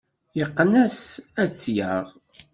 Yeqqen-as ad tt-yaɣ.